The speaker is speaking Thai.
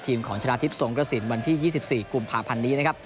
ของชนะทิพย์สงกระสินวันที่๒๔กุมภาพันธ์นี้นะครับ